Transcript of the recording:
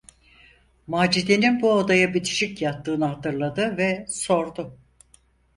Macide’nin bu odaya bitişik yattığını hatırladı ve sordu: